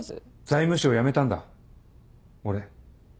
財務省辞めたんだ俺。